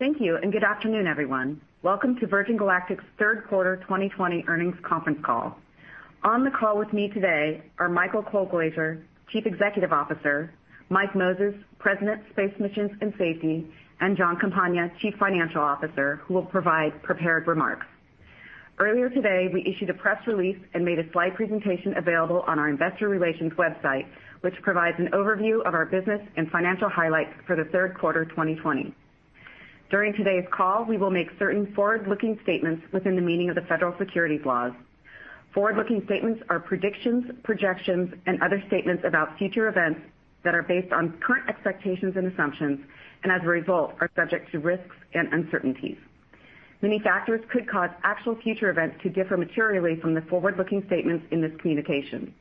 Thank you, and good afternoon, everyone. Welcome to Virgin Galactic's third quarter 2020 earnings conference call. On the call with me today are Michael Colglazier, Chief Executive Officer, Mike Moses, President, Space Missions and Safety, and Jon Campagna, Chief Financial Officer, who will provide prepared remarks. Earlier today, we issued a press release and made a slide presentation available on our investor relations website, which provides an overview of our business and financial highlights for the third quarter 2020. During today's call, we will make certain forward-looking statements within the meaning of the federal securities laws. Forward-looking statements are predictions, projections, and other statements about future events that are based on current expectations and assumptions, and as a result, are subject to risks and uncertainties. Many factors could cause actual future events to differ materially from the forward-looking statements in this communication.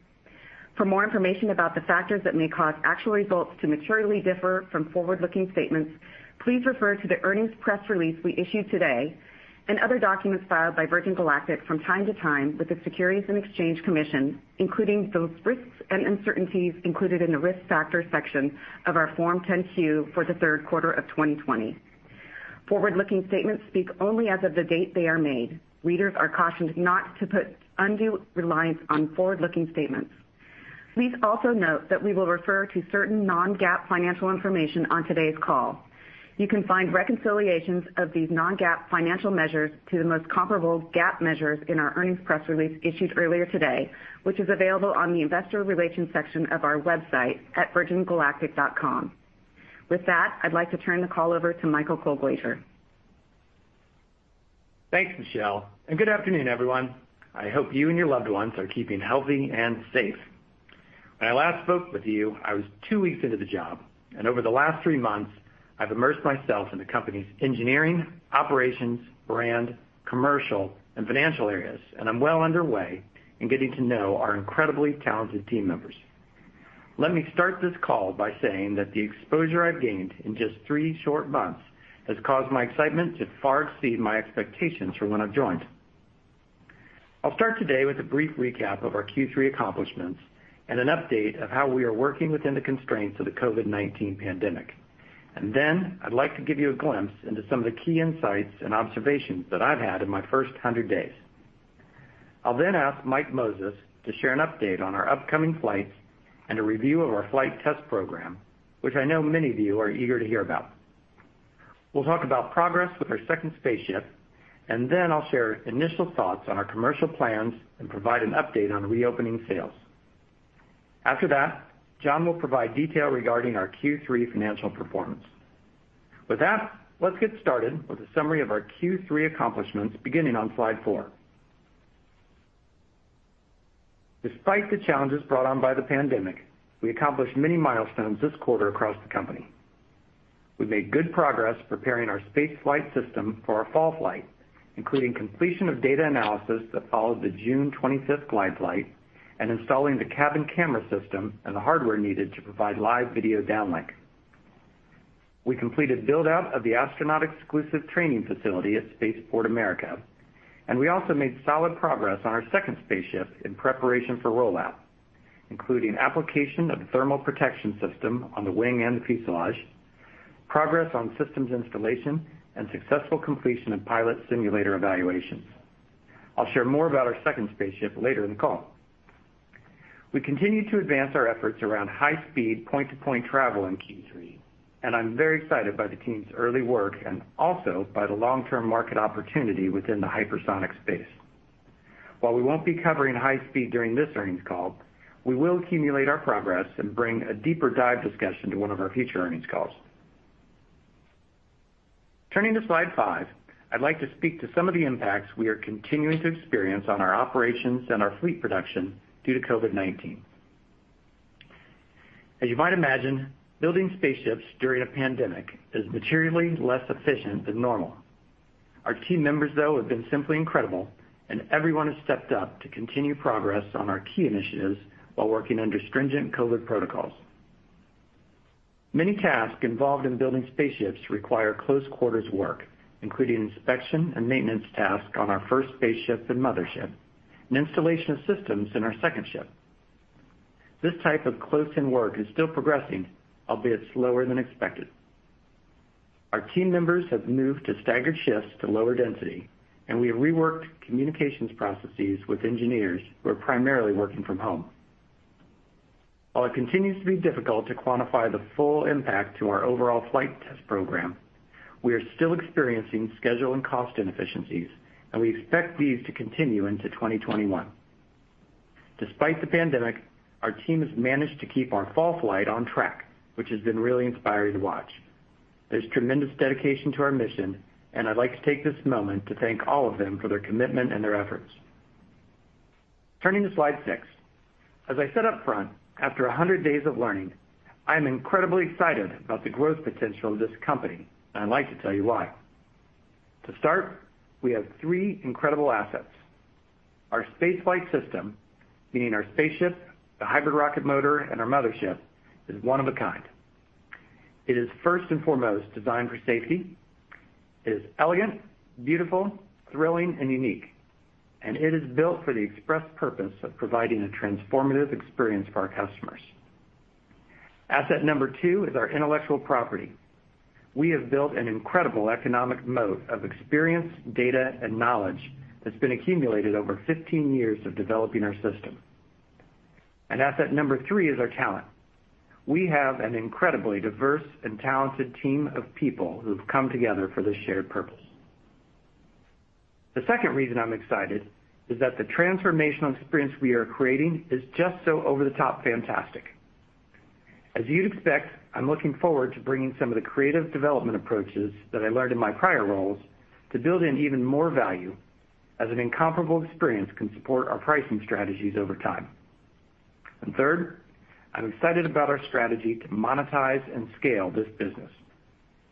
For more information about the factors that may cause actual results to materially differ from forward-looking statements, please refer to the earnings press release we issued today and other documents filed by Virgin Galactic from time to time with the Securities and Exchange Commission, including those risks and uncertainties included in the Risk Factors section of our Form 10-Q for the third quarter of 2020. Forward-looking statements speak only as of the date they are made. Readers are cautioned not to put undue reliance on forward-looking statements. Please also note that we will refer to certain non-GAAP financial information on today's call. You can find reconciliations of these non-GAAP financial measures to the most comparable GAAP measures in our earnings press release issued earlier today, which is available on the Investor Relations section of our website at virgingalactic.com. With that, I'd like to turn the call over to Michael Colglazier. Thanks, Michelle. Good afternoon, everyone. I hope you and your loved ones are keeping healthy and safe. When I last spoke with you, I was two weeks into the job, and over the last three months, I've immersed myself in the company's engineering, operations, brand, commercial, and financial areas, and I'm well underway in getting to know our incredibly talented team members. Let me start this call by saying that the exposure I've gained in just three short months has caused my excitement to far exceed my expectations from when I joined. I'll start today with a brief recap of our Q3 accomplishments and an update of how we are working within the constraints of the COVID-19 pandemic. I'd like to give you a glimpse into some of the key insights and observations that I've had in my first 100 days. I'll then ask Mike Moses to share an update on our upcoming flights and a review of our flight test program, which I know many of you are eager to hear about. We'll talk about progress with our second spaceship, and then I'll share initial thoughts on our commercial plans and provide an update on reopening sales. After that, Jon will provide detail regarding our Q3 financial performance. With that, let's get started with a summary of our Q3 accomplishments beginning on slide four. Despite the challenges brought on by the pandemic, we accomplished many milestones this quarter across the company. We made good progress preparing our space flight system for our fall flight, including completion of data analysis that followed the June 25th glide flight and installing the cabin camera system and the hardware needed to provide live video downlink. We completed build-out of the astronaut exclusive training facility at Spaceport America. We also made solid progress on our second spaceship in preparation for rollout, including application of the thermal protection system on the wing and the fuselage, progress on systems installation, and successful completion of pilot simulator evaluations. I'll share more about our second spaceship later in the call. We continued to advance our efforts around high-speed point-to-point travel in Q3. I'm very excited by the team's early work and also by the long-term market opportunity within the hypersonic space. While we won't be covering high speed during this earnings call, we will accumulate our progress and bring a deeper dive discussion to one of our future earnings calls. Turning to slide five, I'd like to speak to some of the impacts we are continuing to experience on our operations and our fleet production due to COVID-19. As you might imagine, building spaceships during a pandemic is materially less efficient than normal. Our team members, though, have been simply incredible, and everyone has stepped up to continue progress on our key initiatives while working under stringent COVID protocols. Many tasks involved in building spaceships require close quarters work, including inspection and maintenance tasks on our first spaceship and mothership, and installation of systems in our second ship. This type of close-in work is still progressing, albeit slower than expected. Our team members have moved to staggered shifts to lower density, and we have reworked communications processes with engineers who are primarily working from home. While it continues to be difficult to quantify the full impact to our overall flight test program, we are still experiencing schedule and cost inefficiencies, and we expect these to continue into 2021. Despite the pandemic, our team has managed to keep our fall flight on track, which has been really inspiring to watch. There's tremendous dedication to our mission, and I'd like to take this moment to thank all of them for their commitment and their efforts. Turning to slide six. As I said upfront, after 100 days of learning, I'm incredibly excited about the growth potential of this company, and I'd like to tell you why. To start, we have three incredible assets. Our space flight system, meaning our spaceship, the hybrid rocket motor, and our mothership, is one of a kind. It is first and foremost designed for safety. It is elegant, beautiful, thrilling, and unique, and it is built for the express purpose of providing a transformative experience for our customers. Asset number two is our intellectual property. We have built an incredible economic moat of experience, data, and knowledge that's been accumulated over 15 years of developing our system. Asset number three is our talent. We have an incredibly diverse and talented team of people who have come together for this shared purpose. The second reason I'm excited is that the transformational experience we are creating is just so over-the-top fantastic. As you'd expect, I'm looking forward to bringing some of the creative development approaches that I learned in my prior roles to build in even more value as an incomparable experience can support our pricing strategies over time. Third, I'm excited about our strategy to monetize and scale this business.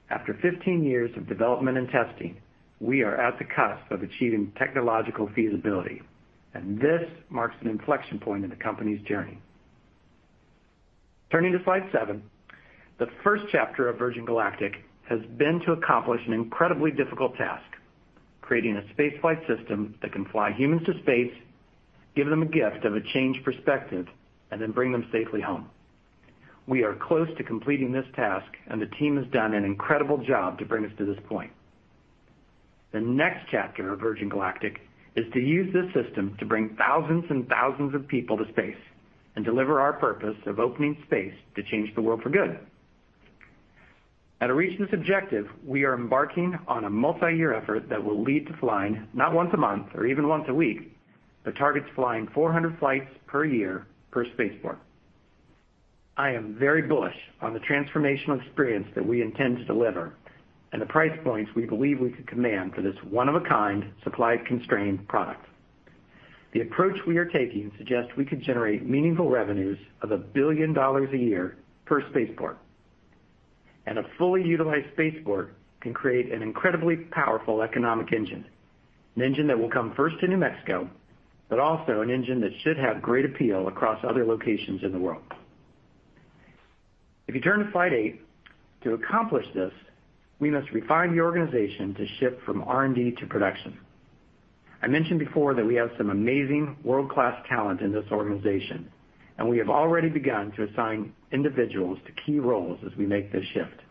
After 15 years of development and testing, we are at the cusp of achieving technological feasibility, and this marks an inflection point in the company's journey. Turning to slide seven, the first chapter of Virgin Galactic has been to accomplish an incredibly difficult task, creating a space flight system that can fly humans to space, give them a gift of a changed perspective, and then bring them safely home. We are close to completing this task, and the team has done an incredible job to bring us to this point. The next chapter of Virgin Galactic is to use this system to bring thousands and thousands of people to space and deliver our purpose of opening space to change the world for good. To reach this objective, we are embarking on a multi-year effort that will lead to flying, not once a month, or even once a week, but targets flying 400 flights per year per spaceport. I am very bullish on the transformational experience that we intend to deliver and the price points we believe we could command for this one-of-a-kind, supply-constrained product. The approach we are taking suggests we could generate meaningful revenues of $1 billion a year per spaceport. A fully utilized spaceport can create an incredibly powerful economic engine, an engine that will come first to New Mexico, but also an engine that should have great appeal across other locations in the world. If you turn to slide eight, to accomplish this, we must refine the organization to shift from R&D to production. I mentioned before that we have some amazing world-class talent in this organization, and we have already begun to assign individuals to key roles as we make this shift.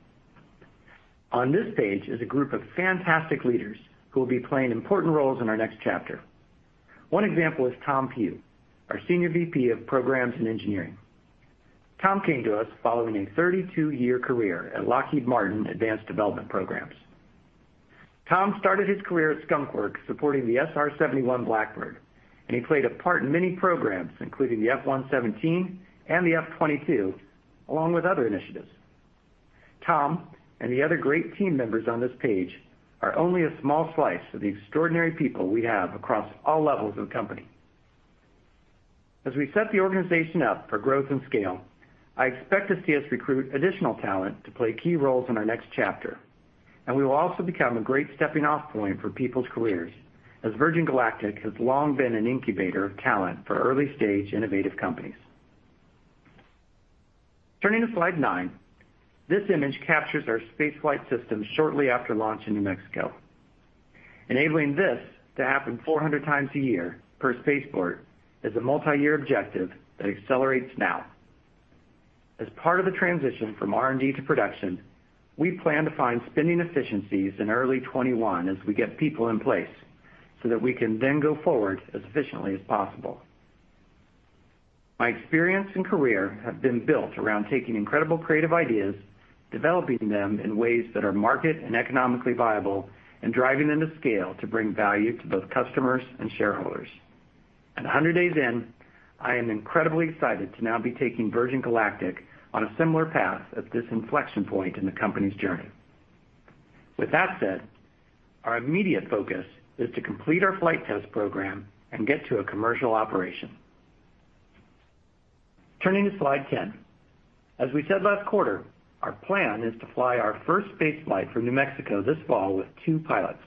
On this page is a group of fantastic leaders who will be playing important roles in our next chapter. One example is Tom Pugh, our Senior VP of Programs and Engineering. Tom came to us following a 32-year career at Lockheed Martin Advanced Development Programs. Tom started his career at Skunk Works supporting the SR-71 Blackbird, he played a part in many programs, including the F-117 and the F-22, along with other initiatives. Tom and the other great team members on this page are only a small slice of the extraordinary people we have across all levels of the company. As we set the organization up for growth and scale, I expect to see us recruit additional talent to play key roles in our next chapter, we will also become a great stepping-off point for people's careers, as Virgin Galactic has long been an incubator of talent for early-stage innovative companies. Turning to slide nine, this image captures our space flight system shortly after launch in New Mexico. Enabling this to happen 400x a year per spaceport is a multi-year objective that accelerates now. As part of the transition from R&D to production, we plan to find spending efficiencies in early 2021 as we get people in place so that we can then go forward as efficiently as possible. My experience and career have been built around taking incredible creative ideas, developing them in ways that are market and economically viable, and driving them to scale to bring value to both customers and shareholders. 100 days in, I am incredibly excited to now be taking Virgin Galactic on a similar path at this inflection point in the company's journey. With that said, our immediate focus is to complete our flight test program and get to a commercial operation. Turning to slide 10. As we said last quarter, our plan is to fly our first space flight from New Mexico this fall with two pilots.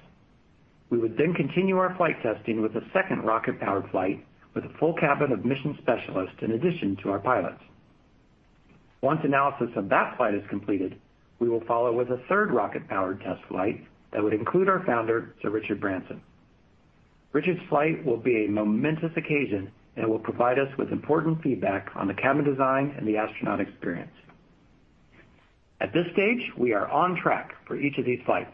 We would then continue our flight testing with a second rocket-powered flight with a full cabin of mission specialists in addition to our pilots. Once analysis of that flight is completed, we will follow with a third rocket-powered test flight that would include our founder, Sir Richard Branson. Richard's flight will be a momentous occasion and will provide us with important feedback on the cabin design and the astronaut experience. At this stage, we are on track for each of these flights.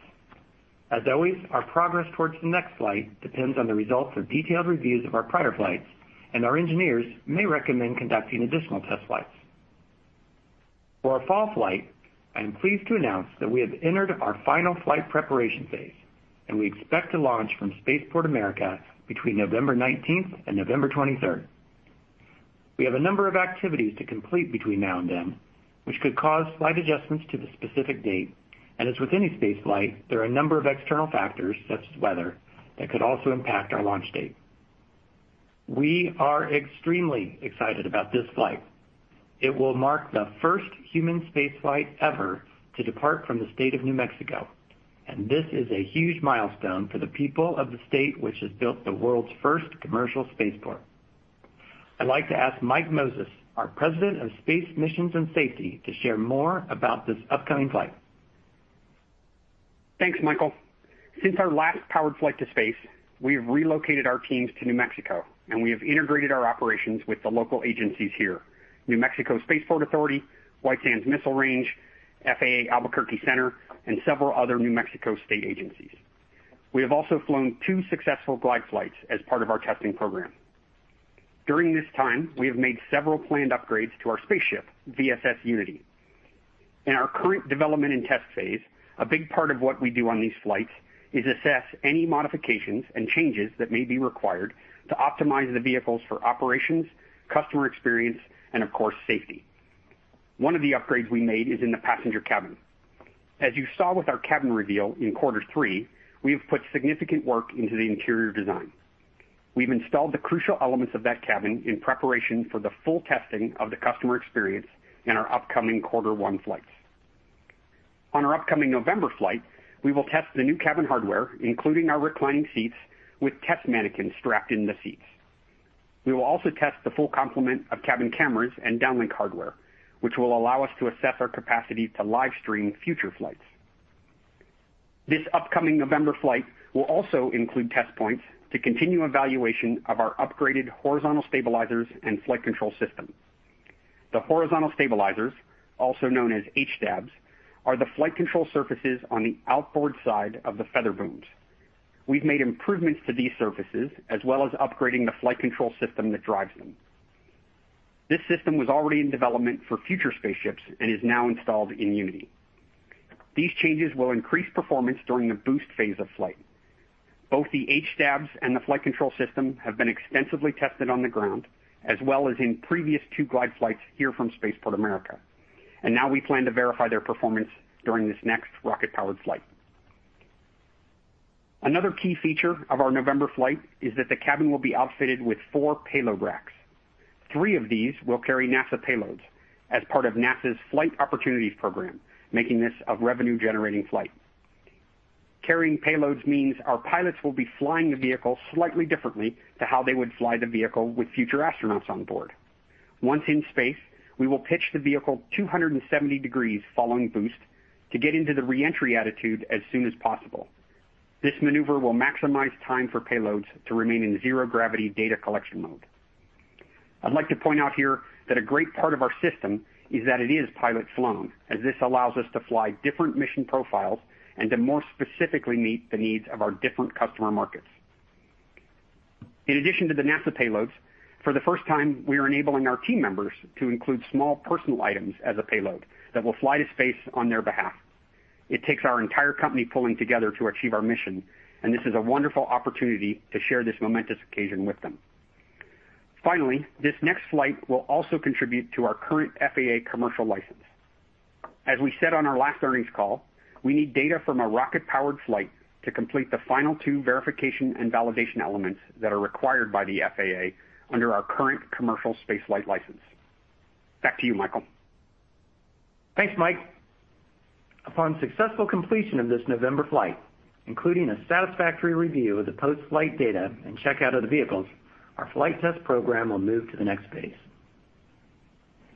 As always, our progress towards the next flight depends on the results of detailed reviews of our prior flights, and our engineers may recommend conducting additional test flights. For our fall flight, I am pleased to announce that we have entered our final flight preparation phase, and we expect to launch from Spaceport America between November 19th and November 23rd. We have a number of activities to complete between now and then, which could cause slight adjustments to the specific date, and as with any space flight, there are a number of external factors, such as weather, that could also impact our launch date. We are extremely excited about this flight. It will mark the first human space flight ever to depart from the state of New Mexico, and this is a huge milestone for the people of the state which has built the world's first commercial spaceport. I'd like to ask Mike Moses, our President of Space Missions and Safety, to share more about this upcoming flight. Thanks, Michael. Since our last powered flight to space, we have relocated our teams to New Mexico, and we have integrated our operations with the local agencies here, New Mexico Spaceport Authority, White Sands Missile Range, FAA Albuquerque Center, and several other New Mexico state agencies. We have also flown two successful glide flights as part of our testing program. During this time, we have made several planned upgrades to our spaceship, VSS Unity. In our current development and test phase, a big part of what we do on these flights is assess any modifications and changes that may be required to optimize the vehicles for operations, customer experience, and of course, safety. One of the upgrades we made is in the passenger cabin. As you saw with our cabin reveal in quarter three, we have put significant work into the interior design. We've installed the crucial elements of that cabin in preparation for the full testing of the customer experience in our upcoming quarter one flights. On our upcoming November flight, we will test the new cabin hardware, including our reclining seats, with test mannequins strapped in the seats. We will also test the full complement of cabin cameras and downlink hardware, which will allow us to assess our capacity to live stream future flights. This upcoming November flight will also include test points to continue evaluation of our upgraded horizontal stabilizers and flight control system. The horizontal stabilizers, also known as H-stabs, are the flight control surfaces on the outboard side of the feather booms. We've made improvements to these surfaces, as well as upgrading the flight control system that drives them. This system was already in development for future spaceships and is now installed in Unity. These changes will increase performance during the boost phase of flight. Both the H-stabs and the flight control system have been extensively tested on the ground, as well as in previous two glide flights here from Spaceport America, and now we plan to verify their performance during this next rocket-powered flight. Another key feature of our November flight is that the cabin will be outfitted with four payload racks. Three of these will carry NASA payloads as part of NASA's Flight Opportunities program, making this a revenue-generating flight. Carrying payloads means our pilots will be flying the vehicle slightly differently to how they would fly the vehicle with future astronauts on board. Once in space, we will pitch the vehicle 270 degrees following boost to get into the reentry attitude as soon as possible. This maneuver will maximize time for payloads to remain in zero-gravity data collection mode. I'd like to point out here that a great part of our system is that it is pilot-flown, as this allows us to fly different mission profiles and to more specifically meet the needs of our different customer markets. In addition to the NASA payloads, for the first time, we are enabling our team members to include small personal items as a payload that will fly to space on their behalf. It takes our entire company pulling together to achieve our mission. This is a wonderful opportunity to share this momentous occasion with them. Finally, this next flight will also contribute to our current FAA commercial license. As we said on our last earnings call, we need data from a rocket-powered flight to complete the final two verification and validation elements that are required by the FAA under our current commercial space flight license. Back to you, Michael. Thanks, Mike. Upon successful completion of this November flight, including a satisfactory review of the post-flight data and checkout of the vehicles, our flight test program will move to the next phase.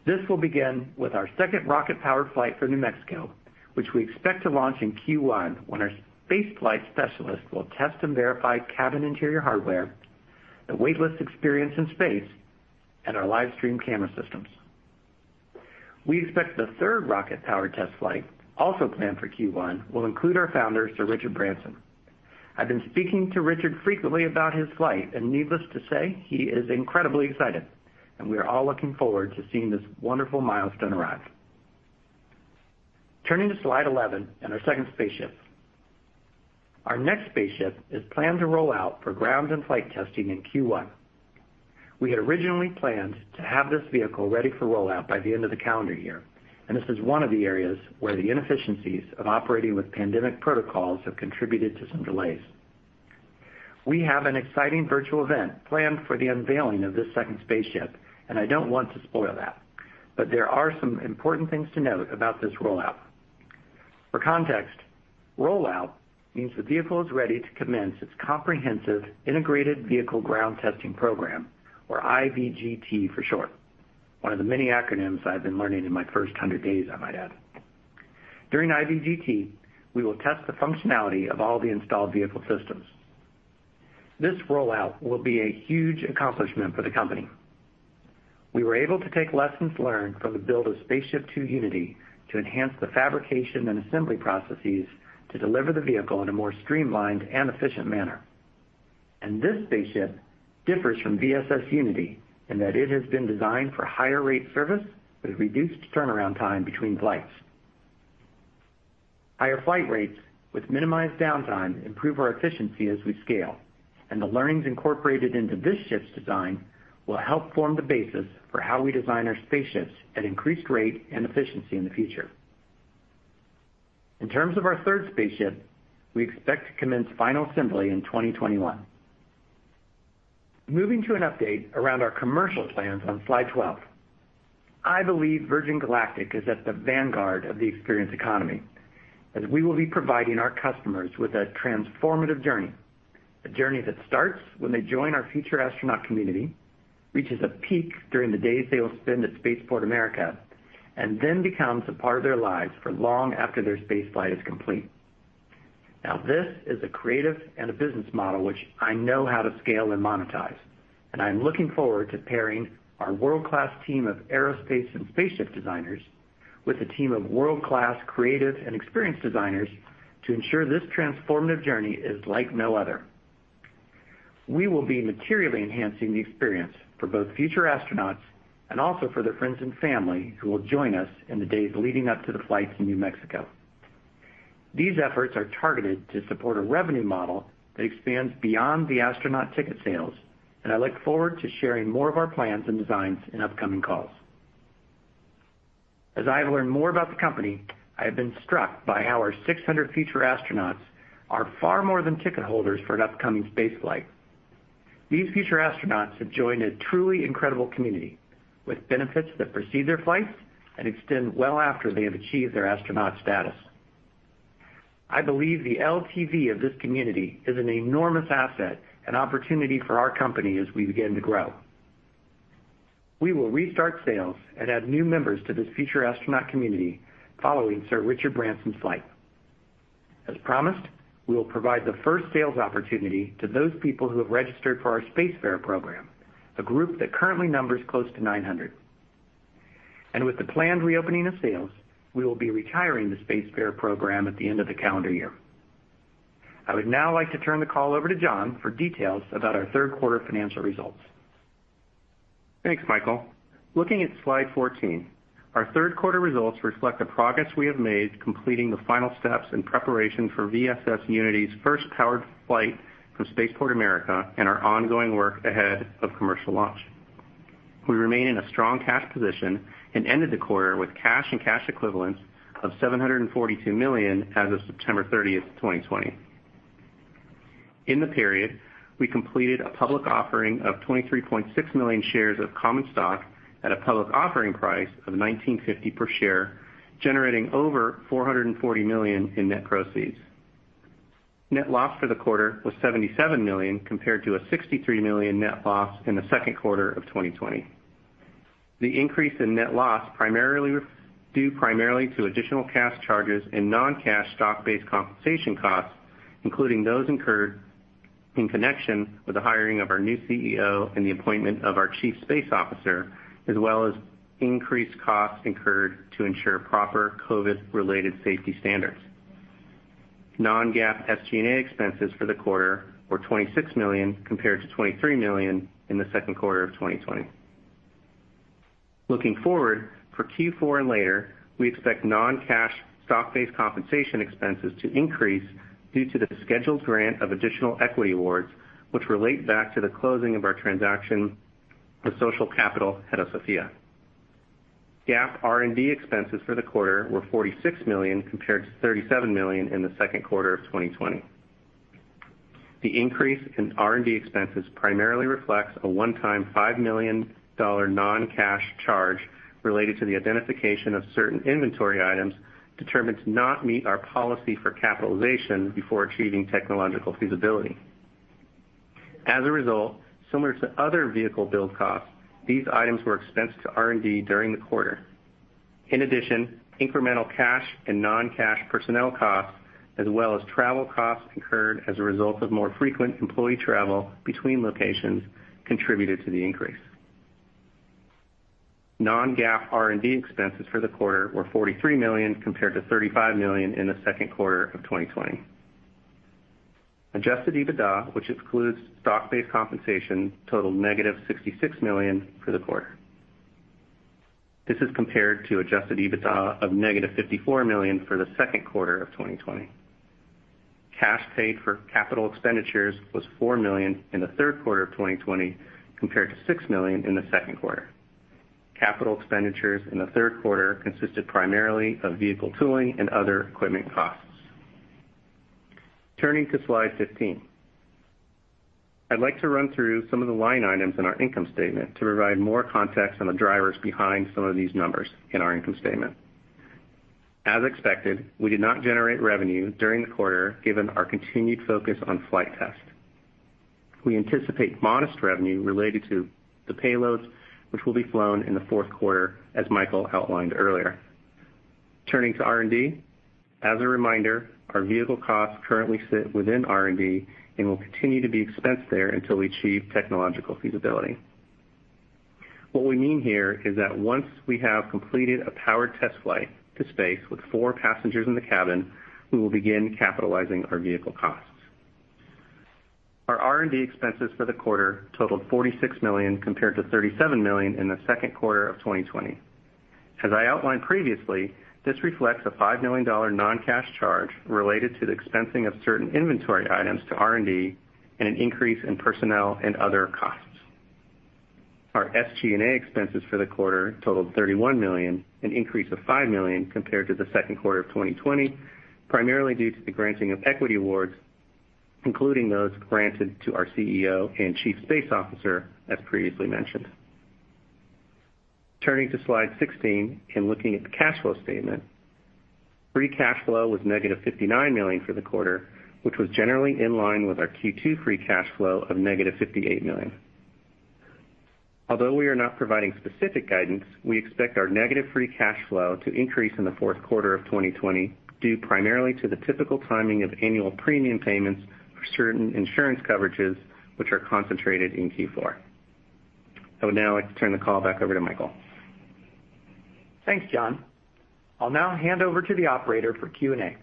This will begin with our second rocket-powered flight for New Mexico, which we expect to launch in Q1, when our space flight specialists will test and verify cabin interior hardware, the weightless experience in space, and our live stream camera systems. We expect the third rocket-powered test flight, also planned for Q1, will include our founder, Sir Richard Branson. I've been speaking to Richard frequently about his flight, and needless to say, he is incredibly excited, and we are all looking forward to seeing this wonderful milestone arrive. Turning to slide 11 and our second spaceship. Our next spaceship is planned to roll out for ground and flight testing in Q1. We had originally planned to have this vehicle ready for rollout by the end of the calendar year, and this is one of the areas where the inefficiencies of operating with pandemic protocols have contributed to some delays. We have an exciting virtual event planned for the unveiling of this second spaceship, and I don't want to spoil that, but there are some important things to note about this rollout. For context, rollout means the vehicle is ready to commence its comprehensive integrated vehicle ground testing program, or IVGT for short. One of the many acronyms I've been learning in my first 100 days, I might add. During IVGT, we will test the functionality of all the installed vehicle systems. This rollout will be a huge accomplishment for the company. We were able to take lessons learned from the build of SpaceShipTwo Unity to enhance the fabrication and assembly processes to deliver the vehicle in a more streamlined and efficient manner. This spaceship differs from VSS Unity in that it has been designed for higher rate service with reduced turnaround time between flights. Higher flight rates with minimized downtime improve our efficiency as we scale, and the learnings incorporated into this ship's design will help form the basis for how we design our spaceships at increased rate and efficiency in the future. In terms of our third spaceship, we expect to commence final assembly in 2021. Moving to an update around our commercial plans on slide 12. I believe Virgin Galactic is at the vanguard of the experience economy, as we will be providing our customers with a transformative journey. A journey that starts when they join our Future Astronaut community, reaches a peak during the days they will spend at Spaceport America, and then becomes a part of their lives for long after their space flight is complete. This is a creative and a business model which I know how to scale and monetize, and I'm looking forward to pairing our world-class team of aerospace and spaceship designers with a team of world-class creative and experience designers to ensure this transformative journey is like no other. We will be materially enhancing the experience for both Future Astronauts and also for their friends and family who will join us in the days leading up to the flights in New Mexico. These efforts are targeted to support a revenue model that expands beyond the astronaut ticket sales, and I look forward to sharing more of our plans and designs in upcoming calls. As I have learned more about the company, I have been struck by how our 600 future astronauts are far more than ticket holders for an upcoming space flight. These future astronauts have joined a truly incredible community with benefits that precede their flights and extend well after they have achieved their astronaut status. I believe the LTV of this community is an enormous asset and opportunity for our company as we begin to grow. We will restart sales and add new members to this future astronaut community following Sir Richard Branson's flight. As promised, we will provide the first sales opportunity to those people who have registered for our Spacefarer program, a group that currently numbers close to 900. With the planned reopening of sales, we will be retiring the Spacefarer program at the end of the calendar year. I would now like to turn the call over to Jon for details about our third quarter financial results. Thanks, Michael. Looking at slide 14, our third quarter results reflect the progress we have made completing the final steps in preparation for VSS Unity's first powered flight from Spaceport America and our ongoing work ahead of commercial launch. We remain in a strong cash position and ended the quarter with cash and cash equivalents of $742 million as of September 30th, 2020. In the period, we completed a public offering of 23.6 million shares of common stock at a public offering price of $19.50 per share, generating over $440 million in net proceeds. Net loss for the quarter was $77 million compared to a $63 million net loss in the second quarter of 2020. The increase in net loss due primarily to additional cash charges and non-cash stock-based compensation costs, including those incurred in connection with the hiring of our new CEO and the appointment of our Chief Space Officer, as well as increased costs incurred to ensure proper COVID-related safety standards. Non-GAAP SG&A expenses for the quarter were $26 million, compared to $23 million in the second quarter of 2020. Looking forward, for Q4 and later, we expect non-cash stock-based compensation expenses to increase due to the scheduled grant of additional equity awards, which relate back to the closing of our transaction with Social Capital Hedosophia. GAAP R&D expenses for the quarter were $46 million, compared to $37 million in the second quarter of 2020. The increase in R&D expenses primarily reflects a one-time $5 million non-cash charge related to the identification of certain inventory items determined to not meet our policy for capitalization before achieving technological feasibility. As a result, similar to other vehicle build costs, these items were expensed to R&D during the quarter. In addition, incremental cash and non-cash personnel costs, as well as travel costs incurred as a result of more frequent employee travel between locations, contributed to the increase. Non-GAAP R&D expenses for the quarter were $43 million compared to $35 million in the second quarter of 2020. Adjusted EBITDA, which includes stock-based compensation, totaled negative $66 million for the quarter. This is compared to adjusted EBITDA of negative $54 million for the second quarter of 2020. Cash paid for capital expenditures was $4 million in the third quarter of 2020, compared to $6 million in the second quarter. Capital expenditures in the third quarter consisted primarily of vehicle tooling and other equipment costs. Turning to slide 15. I'd like to run through some of the line items in our income statement to provide more context on the drivers behind some of these numbers in our income statement. As expected, we did not generate revenue during the quarter, given our continued focus on flight test. We anticipate modest revenue related to the payloads, which will be flown in the fourth quarter, as Michael outlined earlier. Turning to R&D. As a reminder, our vehicle costs currently sit within R&D and will continue to be expensed there until we achieve technological feasibility. What we mean here is that once we have completed a powered test flight to space with four passengers in the cabin, we will begin capitalizing our vehicle costs. Our R&D expenses for the quarter totaled $46 million, compared to $37 million in the second quarter of 2020. As I outlined previously, this reflects a $5 million non-cash charge related to the expensing of certain inventory items to R&D and an increase in personnel and other costs. Our SG&A expenses for the quarter totaled $31 million, an increase of $5 million compared to the second quarter of 2020, primarily due to the granting of equity awards, including those granted to our CEO and Chief Space Officer, as previously mentioned. Turning to slide 16 and looking at the cash flow statement. Free cash flow was negative $59 million for the quarter, which was generally in line with our Q2 free cash flow of negative $58 million. Although we are not providing specific guidance, we expect our negative free cash flow to increase in the fourth quarter of 2020, due primarily to the typical timing of annual premium payments for certain insurance coverages, which are concentrated in Q4. I would now like to turn the call back over to Michael. Thanks, Jon. I'll now hand over to the operator for Q&A.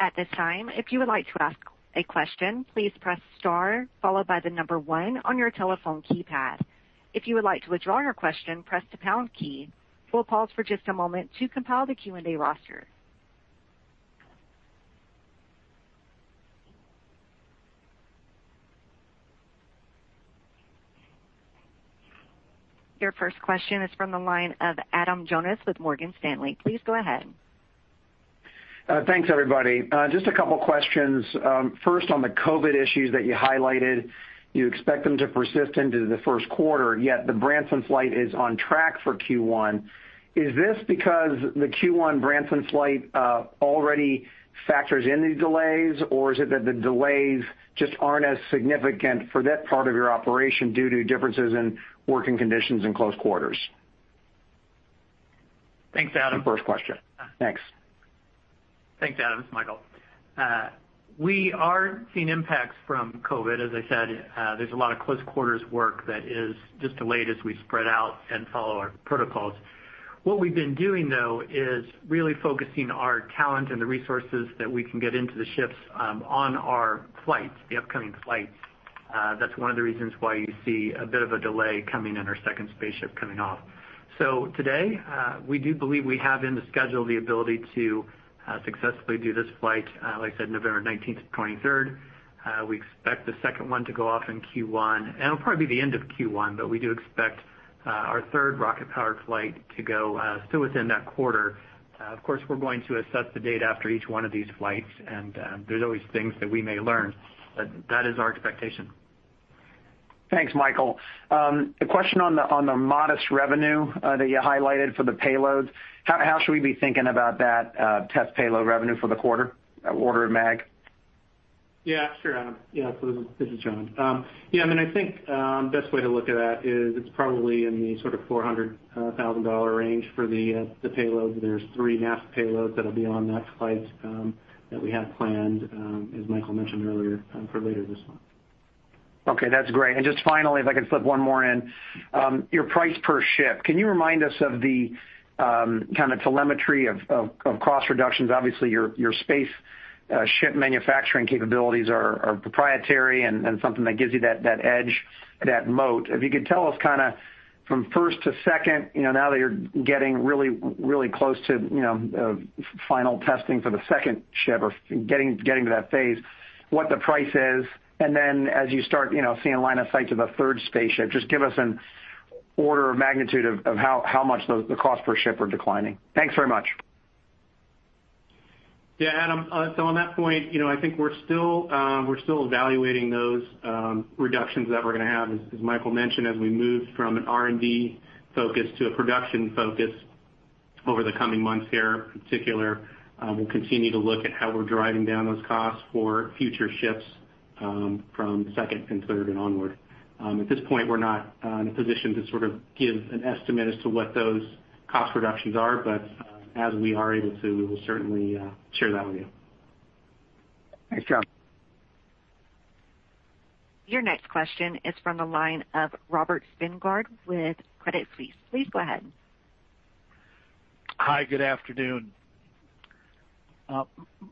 At this time, if you would like to ask a question, please press star followed by the number one on your telephone keypad. If you would like to withdraw your question, press the pound key. We'll pause for just a moment to compile the Q&A roster. Your first question is from the line of Adam Jonas with Morgan Stanley. Please go ahead. Thanks, everybody. Just a couple questions. First, on the COVID-19 issues that you highlighted. You expect them to persist into the first quarter, yet the Branson flight is on track for Q1. Is this because the Q1 Branson flight already factors in these delays, or is it that the delays just aren't as significant for that part of your operation due to differences in working conditions in close quarters? Thanks, Adam. The first question. Thanks. Thanks, Adam. It's Michael. We are seeing impacts from COVID. As I said, there's a lot of close quarters work that is just delayed as we spread out and follow our protocols. What we've been doing, though, is really focusing our talent and the resources that we can get into the ships on our flights, the upcoming flights. That's one of the reasons why you see a bit of a delay coming in our second spaceship coming off. Today, we do believe we have in the schedule the ability to successfully do this flight, like I said, November 19th to 23rd. We expect the second one to go off in Q1, and it'll probably be the end of Q1, but we do expect our third rocket-powered flight to go still within that quarter. Of course, we're going to assess the data after each one of these flights, and there's always things that we may learn, but that is our expectation. Thanks, Michael. A question on the modest revenue that you highlighted for the payloads. How should we be thinking about that test payload revenue for the quarter? Order of mag? Yeah, sure, Adam. This is Jon. I think, best way to look at that is it's probably in the sort of $400,000 range for the payload. There's three NASA payloads that'll be on that flight that we have planned, as Michael mentioned earlier, for later this month. Okay, that's great. Just finally, if I could slip one more in. Your price per ship. Can you remind us of the kind of telemetry of cost reductions? Obviously, your spaceship manufacturing capabilities are proprietary and something that gives you that edge, that moat. If you could tell us from first to second, now that you're getting really close to final testing for the second ship or getting to that phase, what the price is, then as you start seeing line of sight to the third spaceship, just give us an order of magnitude of how much the cost per ship are declining. Thanks very much. Yeah, Adam. On that point, I think we're still evaluating those reductions that we're going to have, as Michael mentioned, as we move from an R&D focus to a production focus over the coming months here in particular. We'll continue to look at how we're driving down those costs for future ships from second and third and onward. At this point, we're not in a position to sort of give an estimate as to what those cost reductions are, but as we are able to, we will certainly share that with you. Thanks, Jon. Your next question is from the line of Robert Spingarn with Credit Suisse. Please go ahead. Hi, good afternoon.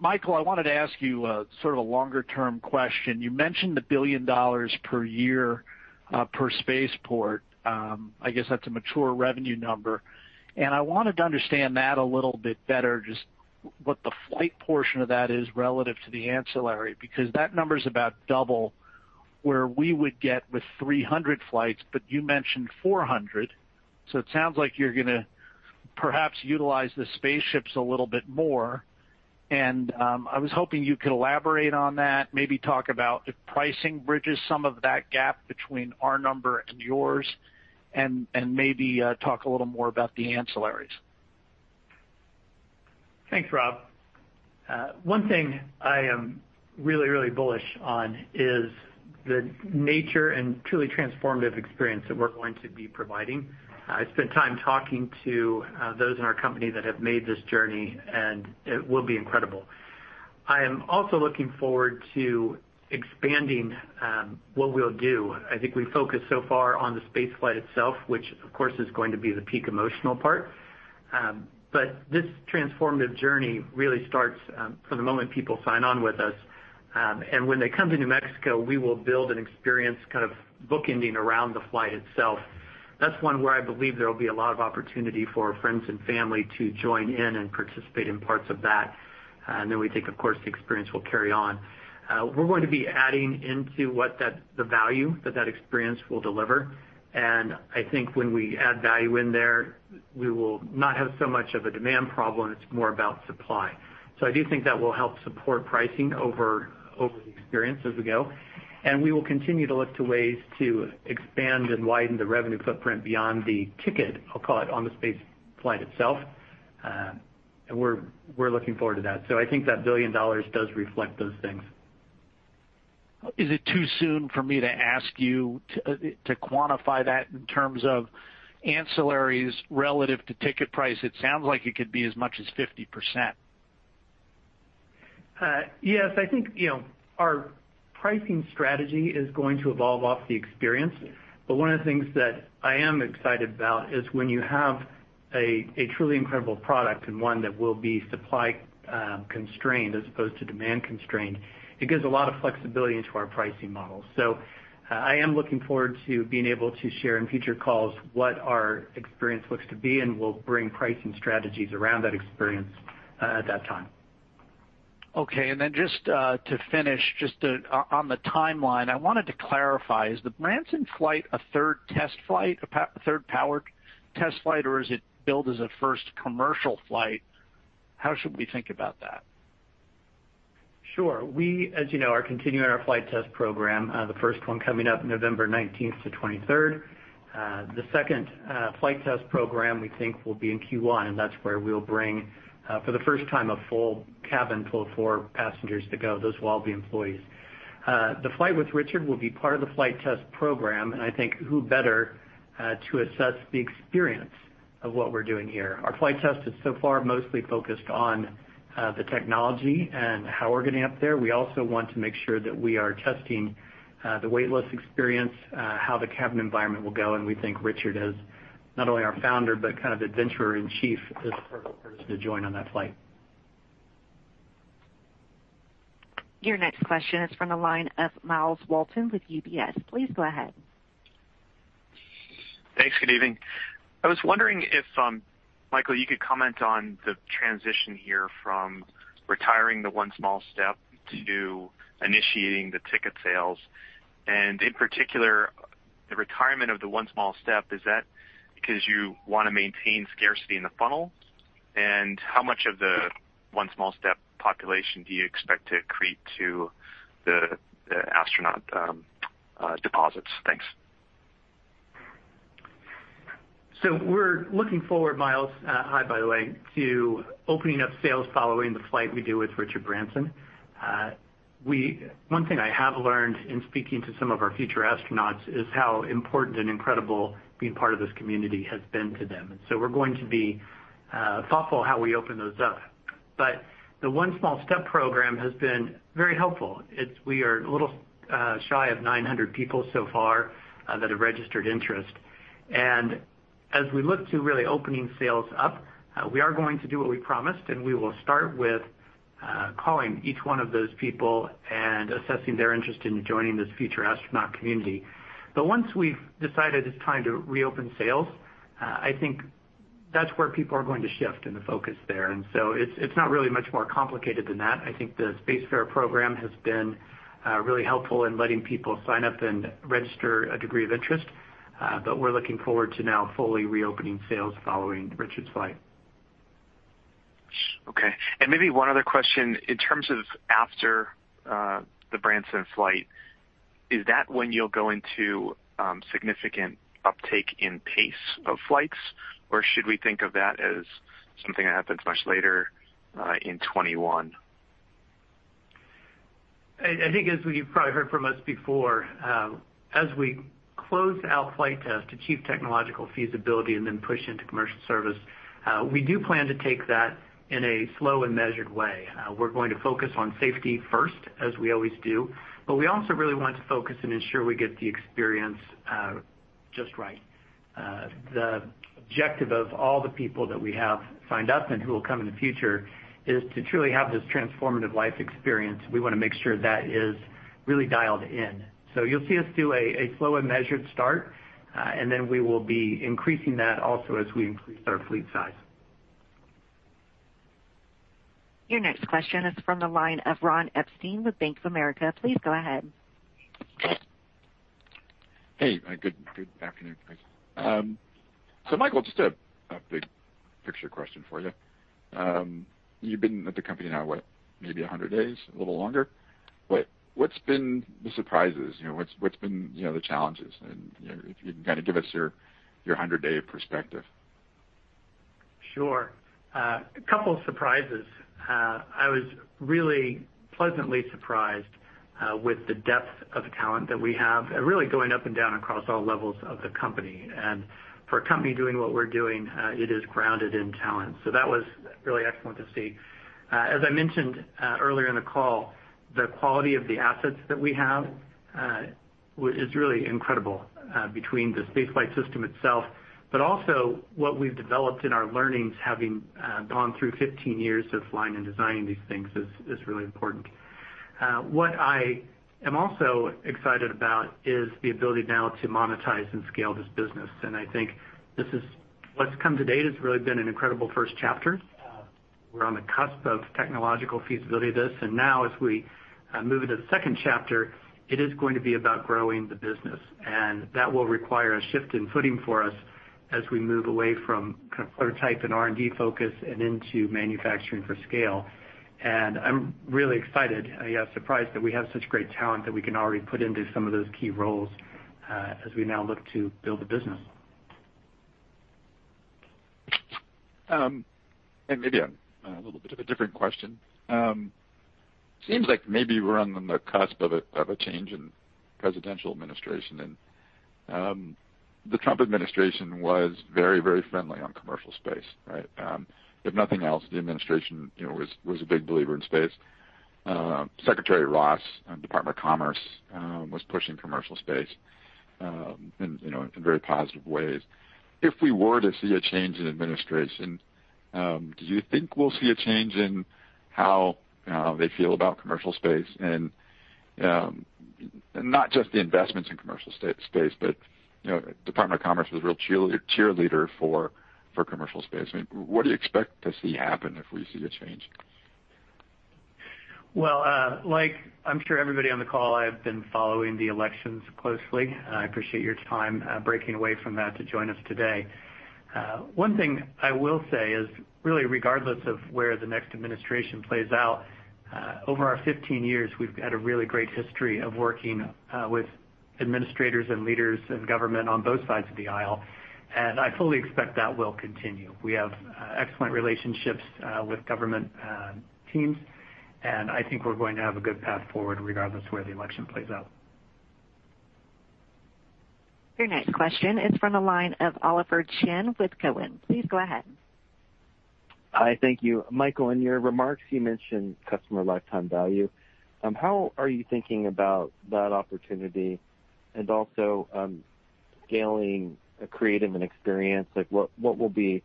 Michael, I wanted to ask you sort of a longer-term question. You mentioned the $1 billion per year per spaceport. I guess that's a mature revenue number. I wanted to understand that a little bit better, just what the flight portion of that is relative to the ancillary, because that number's about double where we would get with 300 flights, but you mentioned 400. It sounds like you're going to perhaps utilize the spaceships a little bit more. I was hoping you could elaborate on that, maybe talk about if pricing bridges some of that gap between our number and yours, and maybe talk a little more about the ancillaries. Thanks, Rob. One thing I am really bullish on is the nature and truly transformative experience that we're going to be providing. I spent time talking to those in our company that have made this journey. It will be incredible. I am also looking forward to expanding what we'll do. I think we've focused so far on the spaceflight itself, which of course is going to be the peak emotional part. This transformative journey really starts from the moment people sign on with us. When they come to New Mexico, we will build an experience kind of bookending around the flight itself. That's one where I believe there will be a lot of opportunity for friends and family to join in and participate in parts of that. We think, of course, the experience will carry on. We're going to be adding into the value that experience will deliver. I think when we add value in there, we will not have so much of a demand problem. It's more about supply. I do think that will help support pricing over the experience as we go. We will continue to look to ways to expand and widen the revenue footprint beyond the ticket, I'll call it, on the space flight itself. We're looking forward to that. I think that $1 billion does reflect those things. Is it too soon for me to ask you to quantify that in terms of ancillaries relative to ticket price? It sounds like it could be as much as 50%. Yes. I think our pricing strategy is going to evolve off the experience. One of the things that I am excited about is when you have a truly incredible product and one that will be supply-constrained as opposed to demand-constrained, it gives a lot of flexibility into our pricing model. I am looking forward to being able to share in future calls what our experience looks to be, and we'll bring pricing strategies around that experience at that time. Okay, just to finish, just on the timeline, I wanted to clarify, is the Branson flight a third test flight, a third powered test flight, or is it billed as a first commercial flight? How should we think about that? Sure. We, as you know, are continuing our flight test program, the first one coming up November 19th-23rd. The second flight test program we think will be in Q1, and that's where we'll bring, for the first time, a full cabin, full four passengers to go. Those will all be employees. The flight with Richard will be part of the flight test program, and I think who better to assess the experience of what we're doing here. Our flight test is so far mostly focused on the technology and how we're getting up there. We also want to make sure that we are testing the weightless experience, how the cabin environment will go, and we think Richard as not only our founder but kind of adventurer in chief, is the perfect person to join on that flight. Your next question is from the line of Myles Walton with UBS. Please go ahead. Thanks. Good evening. I was wondering if, Michael, you could comment on the transition here from retiring the One Small Step to initiating the ticket sales, and in particular, the retirement of the One Small Step. Is that because you want to maintain scarcity in the funnel? How much of the One Small Step population do you expect to accrete to the astronaut deposits? Thanks. We're looking forward, Myles, hi, by the way, to opening up sales following the flight we do with Richard Branson. One thing I have learned in speaking to some of our future astronauts is how important and incredible being part of this community has been to them. We're going to be thoughtful how we open those up. The One Small Step program has been very helpful. We are a little shy of 900 people so far that have registered interest. As we look to really opening sales up, we are going to do what we promised, and we will start with calling each one of those people and assessing their interest in joining this future astronaut community. Once we've decided it's time to reopen sales, I think that's where people are going to shift in the focus there. It's not really much more complicated than that. I think the Spacefarer program has been really helpful in letting people sign up and register a degree of interest. We're looking forward to now fully reopening sales following Richard's flight. Okay. Maybe one other question. In terms of after the Branson flight, is that when you'll go into significant uptake in pace of flights? Should we think of that as something that happens much later in 2021? I think as you've probably heard from us before, as we close out flight test to achieve technological feasibility and then push into commercial service, we do plan to take that in a slow and measured way. We're going to focus on safety first, as we always do, but we also really want to focus and ensure we get the experience just right. The objective of all the people that we have signed up and who will come in the future is to truly have this transformative life experience. We want to make sure that is really dialed in. You'll see us do a slow and measured start, and then we will be increasing that also as we increase our fleet size. Your next question is from the line of Ron Epstein with Bank of America. Please go ahead. Hey, good afternoon, guys. Michael, just a big picture question for you. You've been with the company now, what, maybe 100 days, a little longer? What's been the surprises? What's been the challenges? If you can kind of give us your 100-day perspective. Sure. A couple surprises. I was really pleasantly surprised with the depth of talent that we have, really going up and down across all levels of the company. For a company doing what we're doing, it is grounded in talent. That was really excellent to see. As I mentioned earlier in the call, the quality of the assets that we have is really incredible between the space flight system itself, but also what we've developed in our learnings having gone through 15 years of flying and designing these things is really important. What I am also excited about is the ability now to monetize and scale this business. I think what's come to date has really been an incredible first chapter. We're on the cusp of technological feasibility of this, and now as we move into the second chapter, it is going to be about growing the business. That will require a shift in footing for us as we move away from kind of prototype and R&D focus and into manufacturing for scale. I'm really excited, yet surprised, that we have such great talent that we can already put into some of those key roles as we now look to build a business. Maybe a little bit of a different question. Seems like maybe we're on the cusp of a change in presidential administration. The Trump administration was very friendly on commercial space, right? If nothing else, the administration was a big believer in space. Secretary Ross, Department of Commerce, was pushing commercial space in very positive ways. If we were to see a change in administration, do you think we'll see a change in how they feel about commercial space and not just the investments in commercial space, but Department of Commerce was a real cheerleader for commercial space. What do you expect to see happen if we see a change? Well, like I'm sure everybody on the call, I've been following the elections closely. I appreciate your time breaking away from that to join us today. One thing I will say is really regardless of where the next administration plays out, over our 15 years, we've had a really great history of working with administrators and leaders in government on both sides of the aisle. I fully expect that will continue. We have excellent relationships with government teams. I think we're going to have a good path forward regardless of where the election plays out. Your next question is from the line of Oliver Chen with Cowen. Please go ahead. Hi, thank you. Michael, in your remarks, you mentioned customer lifetime value. How are you thinking about that opportunity and also scaling creative and experience? What will be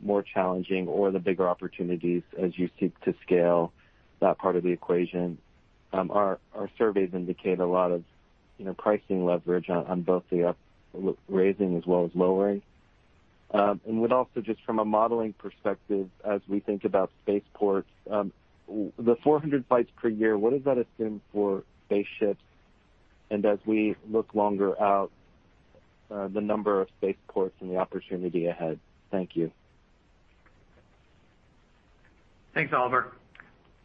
more challenging or the bigger opportunities as you seek to scale that part of the equation? Our surveys indicate a lot of pricing leverage on both the up-pricing as well as lowering. With also just from a modeling perspective as we think about spaceports, the 400 flights per year, what does that assume for spaceships, and as we look longer out, the number of spaceports and the opportunity ahead. Thank you. Thanks, Oliver.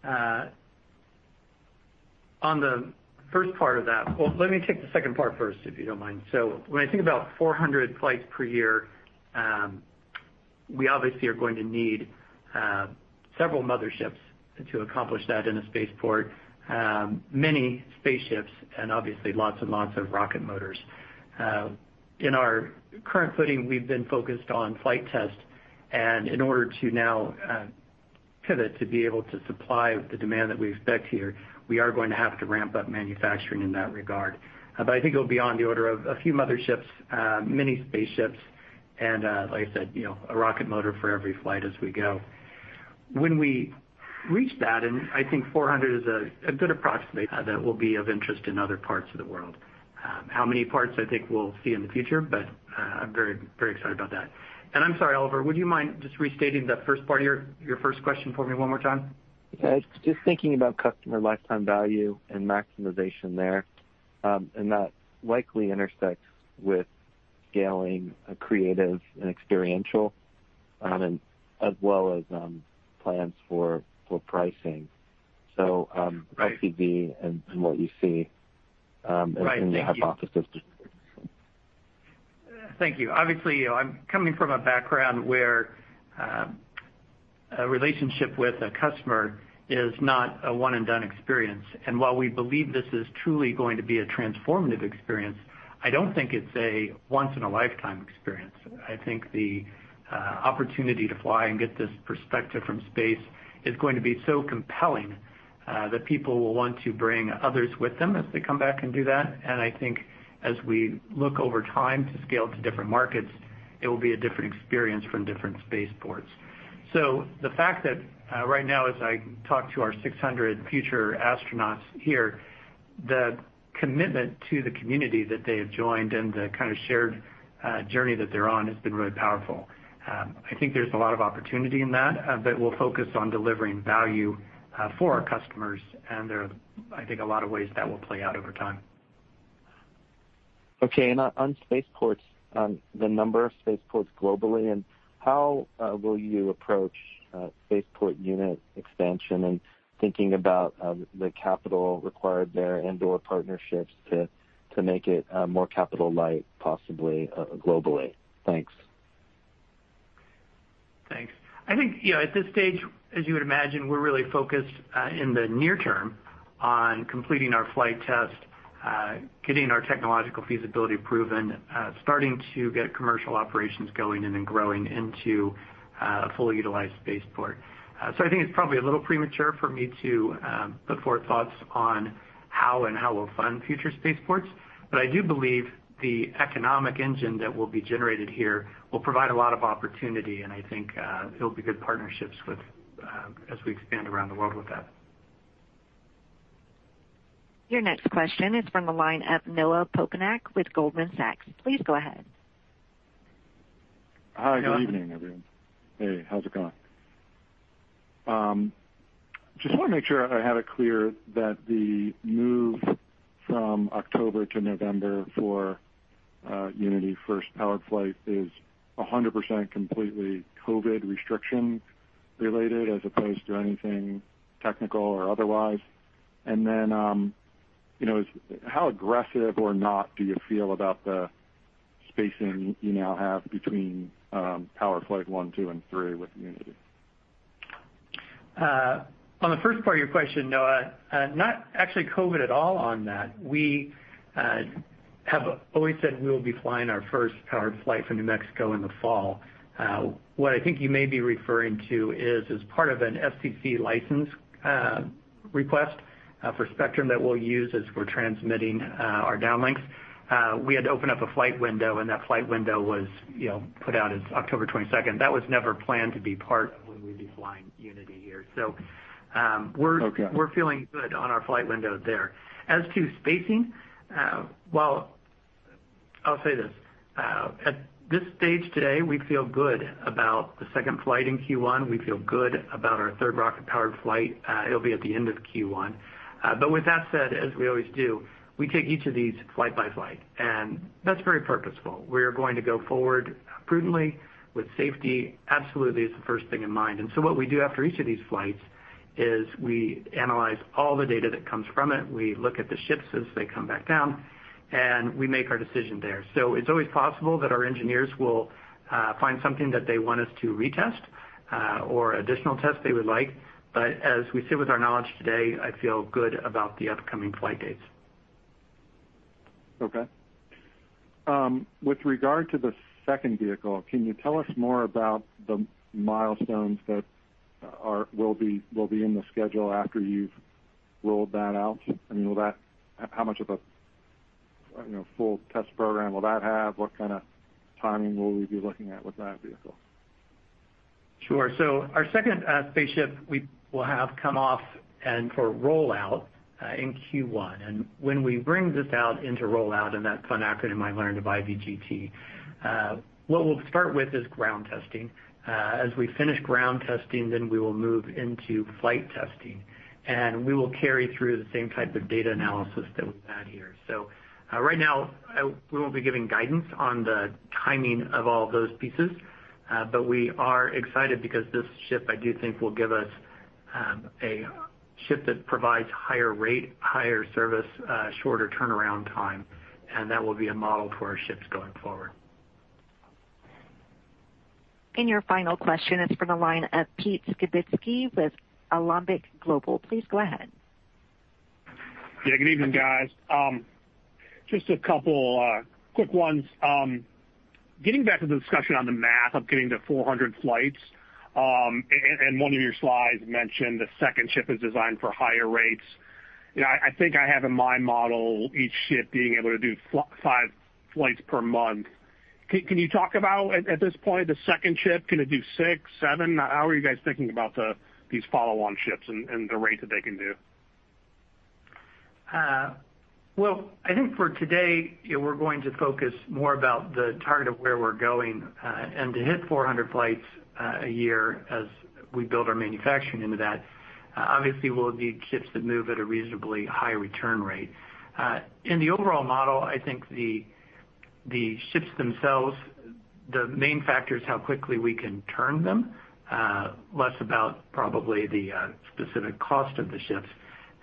Well, let me take the second part first, if you don't mind. When I think about 400 flights per year, we obviously are going to need several motherships to accomplish that in a spaceport. Many spaceships and obviously lots and lots of rocket motors. In our current footing, we've been focused on flight test and in order to now pivot to be able to supply the demand that we expect here, we are going to have to ramp up manufacturing in that regard. I think it will be on the order of a few motherships, many spaceships, and like I said, a rocket motor for every flight as we go. When we reach that, and I think 400 is a good approximate that will be of interest in other parts of the world. How many parts, I think we'll see in the future, but I'm very excited about that. I'm sorry, Oliver, would you mind just restating that first part of your first question for me one more time? Just thinking about customer lifetime value and maximization there, and that likely intersects with scaling creative and experiential, and as well as plans for pricing. Right. LTV- Right. Thank you. as a hypothesis. Thank you. Obviously, I'm coming from a background where a relationship with a customer is not a one-and-done experience. While we believe this is truly going to be a transformative experience, I don't think it's a once-in-a-lifetime experience. I think the opportunity to fly and get this perspective from space is going to be so compelling that people will want to bring others with them as they come back and do that. I think as we look over time to scale to different markets, it will be a different experience from different spaceports. The fact that right now as I talk to our 600 future astronauts here, the commitment to the community that they have joined and the kind of shared journey that they're on has been really powerful. I think there's a lot of opportunity in that that will focus on delivering value for our customers. There are, I think, a lot of ways that will play out over time. Okay. On spaceports, the number of spaceports globally, and how will you approach spaceport unit expansion and thinking about the capital required there and/or partnerships to make it more capital light, possibly globally? Thanks. Thanks. I think, at this stage, as you would imagine, we're really focused in the near term on completing our flight test, getting our technological feasibility proven, starting to get commercial operations going, and then growing into a fully utilized spaceport. I think it's probably a little premature for me to put forward thoughts on how and how we'll fund future spaceports. I do believe the economic engine that will be generated here will provide a lot of opportunity, and I think it'll be good partnerships as we expand around the world with that. Your next question is from the line of Noah Poponak with Goldman Sachs. Please go ahead. Hi, good evening, everyone. Hey, how's it going? Just want to make sure I have it clear that the move from October to November for Unity first powered flight is 100% completely COVID restriction related as opposed to anything technical or otherwise. How aggressive or not do you feel about the spacing you now have between powered flight 1, 2, and 3 with Unity? On the first part of your question, Noah, not actually COVID at all on that. We have always said we will be flying our first powered flight from New Mexico in the fall. What I think you may be referring to is part of an FCC license request for spectrum that we'll use as we're transmitting our downlinks. We had to open up a flight window, and that flight window was put out as October 22nd. That was never planned to be part of when we'd be flying Unity here. Okay. We're feeling good on our flight window there. As to spacing, I'll say this. At this stage today, we feel good about the second flight in Q1. We feel good about our third rocket-powered flight. It'll be at the end of Q1. With that said, as we always do, we take each of these flight by flight, and that's very purposeful. We are going to go forward prudently with safety absolutely as the first thing in mind. What we do after each of these flights is we analyze all the data that comes from it. We look at the ships as they come back down, and we make our decision there. It's always possible that our engineers will find something that they want us to retest, or additional tests they would like. As we sit with our knowledge today, I feel good about the upcoming flight dates. Okay. With regard to the second vehicle, can you tell us more about the milestones that will be in the schedule after you've rolled that out? How much of a full test program will that have? What kind of timing will we be looking at with that vehicle? Sure. Our second spaceship, we will have come off and for rollout in Q1. When we bring this out into rollout, and that fun acronym I learned of IVGT, what we'll start with is ground testing. As we finish ground testing, then we will move into flight testing, and we will carry through the same type of data analysis that we've had here. Right now, we won't be giving guidance on the timing of all of those pieces. We are excited because this ship, I do think, will give us a ship that provides higher rate, higher service, shorter turnaround time, and that will be a model for our ships going forward. Your final question is from the line of Pete Skibitski with Alembic Global. Please go ahead. Yeah, good evening, guys. Just a couple quick ones. Getting back to the discussion on the math of getting to 400 flights, and one of your slides mentioned the second ship is designed for higher rates. I think I have in mind model each ship being able to do five flights per month. Can you talk about, at this point, the second ship? Can it do six, seven? How are you guys thinking about these follow-on ships and the rates that they can do? Well, I think for today, we're going to focus more about the target of where we're going, and to hit 400 flights a year as we build our manufacturing into that. Obviously, we'll need ships that move at a reasonably high return rate. In the overall model, I think the ships themselves, the main factor is how quickly we can turn them, less about probably the specific cost of the ships.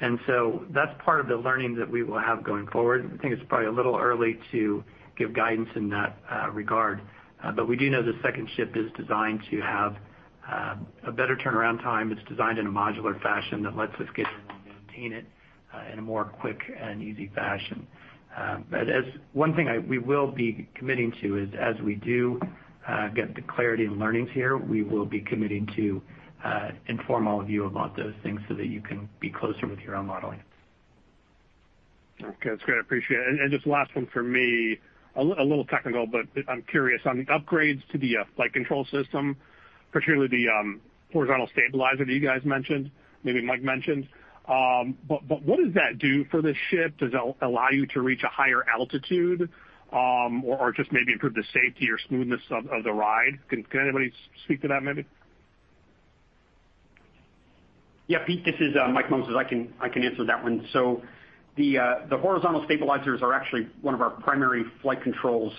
That's part of the learning that we will have going forward. I think it's probably a little early to give guidance in that regard. We do know the second ship is designed to have a better turnaround time. It's designed in a modular fashion that lets us get in and maintain it in a more quick and easy fashion. One thing we will be committing to is as we do get the clarity and learnings here, we will be committing to inform all of you about those things so that you can be closer with your own modeling. Okay. That's great. Appreciate it. Just last one from me, a little technical, but I am curious on the upgrades to the flight control system, particularly the horizontal stabilizer that you guys mentioned, maybe Mike mentioned. What does that do for the ship? Does it allow you to reach a higher altitude? Just maybe improve the safety or smoothness of the ride? Can anybody speak to that, maybe? Pete, this is Mike Moses. I can answer that one. The horizontal stabilizers are actually one of our primary flight controls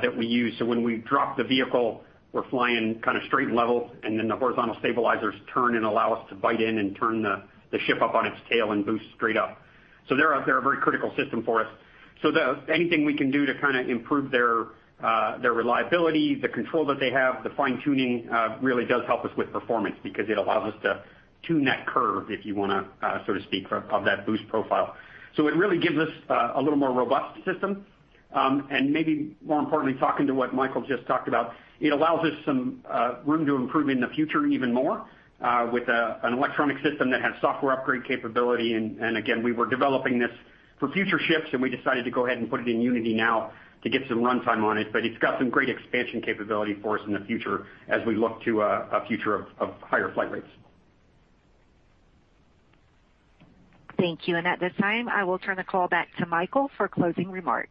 that we use. When we drop the vehicle, we're flying kind of straight and level, and then the horizontal stabilizers turn and allow us to bite in and turn the ship up on its tail and boost straight up. They're a very critical system for us. Anything we can do to improve their reliability, the control that they have, the fine-tuning really does help us with performance because it allows us to tune that curve, if you want to sort of speak, of that boost profile. It really gives us a little more robust system. Maybe more importantly, talking to what Michael just talked about, it allows us some room to improve in the future even more, with an electronic system that has software upgrade capability. Again, we were developing this for future ships, and we decided to go ahead and put it in Unity now to get some runtime on it. It's got some great expansion capability for us in the future as we look to a future of higher flight rates. Thank you. At this time, I will turn the call back to Michael for closing remarks.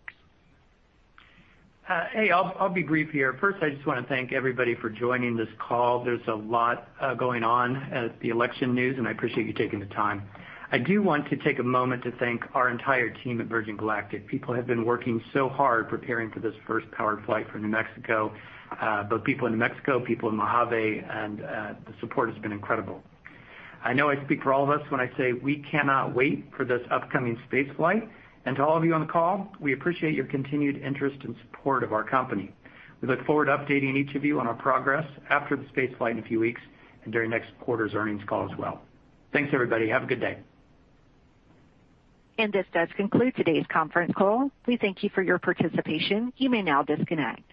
Hey, I'll be brief here. First, I just want to thank everybody for joining this call. There's a lot going on at the election news, and I appreciate you taking the time. I do want to take a moment to thank our entire team at Virgin Galactic. People have been working so hard preparing for this first powered flight for New Mexico. Both people in New Mexico, people in Mojave, and the support has been incredible. I know I speak for all of us when I say we cannot wait for this upcoming space flight. To all of you on the call, we appreciate your continued interest and support of our company. We look forward to updating each of you on our progress after the space flight in a few weeks and during next quarter's earnings call as well. Thanks, everybody. Have a good day. This does conclude today's conference call. We thank you for your participation. You may now disconnect.